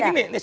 bukan ini nih